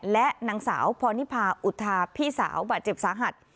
และนางสาวพรนิพาอุทาพี่สาวบาดเจ็บสาหัส